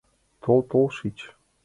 Тол, тол, шич...